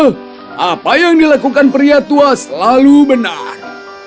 dan apa yang dilakukan pria tua itu benar